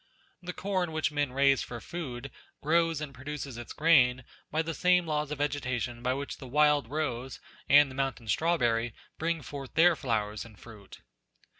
The corn which men raise for food, grows and produces its grain by the same laws of vegetation by which the wild rose and the mountain strawberry bring forth their flowers and fruit.